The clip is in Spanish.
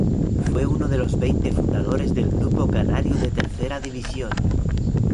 Fue uno de los veinte fundadores del grupo canario de Tercera División.